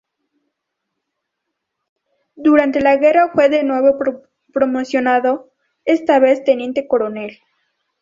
Durante la guerra fue de nuevo promocionado, esta vez a Teniente-Coronel.